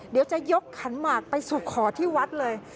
เดี๋ยวจะยกขันหมากไปสู่ขอที่วัดเลย